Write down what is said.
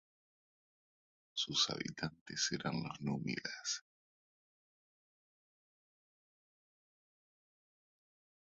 Sus habitantes eran los númidas.